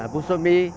bùa dô mi